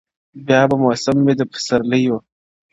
بیا به موسم وي د پسرلیو -